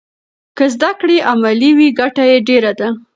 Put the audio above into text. که زده کړه عملي وي ګټه یې ډېره ده.